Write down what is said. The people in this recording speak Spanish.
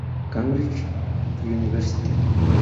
Cambridge Univ.